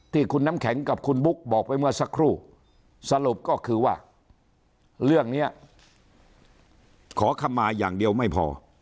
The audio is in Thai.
ที่คุณน้ำแข็งกับคุณบุ๊กบอกไปเมื่อสักครู่สรุปก็คือว่าเรื่องนี้ขอคำมาอย่างเดียวไม่พอ